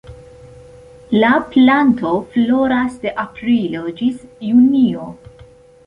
La planto floras de aprilo ĝis junio.